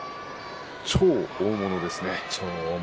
超大物ですね。